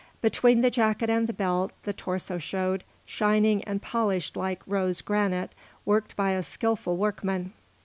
Between the jacket and the belt, the torso showed, shining and polished like rose granite worked by a skilful workman.